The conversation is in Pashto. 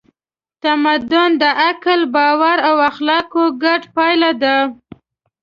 تمدن د عقل، باور او اخلاقو ګډه پایله ده.